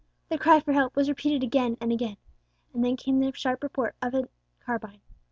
the cry for help, was repeated again and again, and then came the sharp report of a carbine.